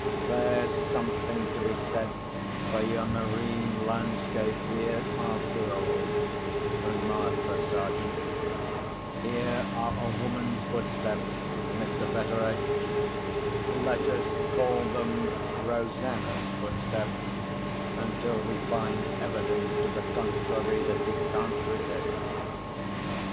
"There's something to be said for your marine landscape here, after all," remarked the Sergeant. "Here are a woman's footsteps, Mr. Betteredge! Let us call them Rosanna's footsteps, until we find evidence to the contrary that we can't resist.